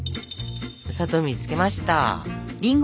砂糖水につけました。